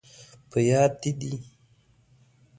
په یاد، دې دي؟